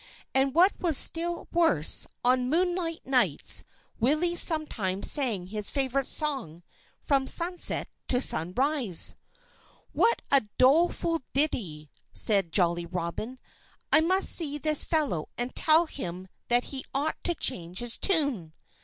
And what was still worse, on moonlight nights Willie sometimes sang his favorite song from sunset to sunrise. "What a doleful ditty!" said Jolly Robin. "I must see this fellow and tell him that he ought to change his tune."